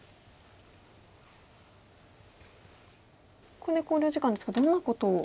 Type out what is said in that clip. ここで考慮時間ですけどもどんなことを。